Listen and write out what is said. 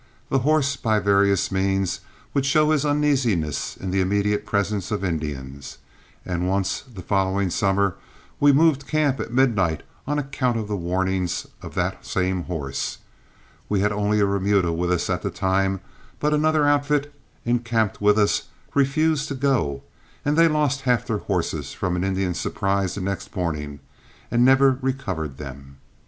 The horse by various means would show his uneasiness in the immediate presence of Indians, and once the following summer we moved camp at midnight on account of the warnings of that same horse. We had only a remuda with us at the time, but another outfit encamped with us refused to go, and they lost half their horses from an Indian surprise the next morning and never recovered them.